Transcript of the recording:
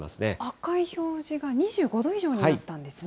赤い表示が２５度以上になったんですね。